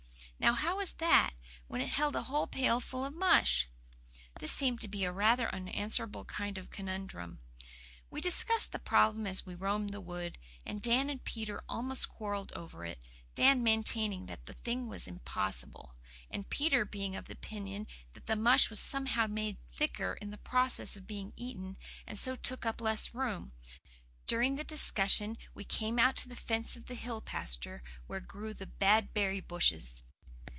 Now, how was that, when it held a whole pailful of mush?" This seemed to be a rather unanswerable kind of conundrum. We discussed the problem as we roamed the wood, and Dan and Peter almost quarrelled over it, Dan maintaining that the thing was impossible, and Peter being of the opinion that the mush was somehow "made thicker" in the process of being eaten, and so took up less room. During the discussion we came out to the fence of the hill pasture where grew the "bad berry" bushes.